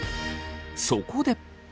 そこで。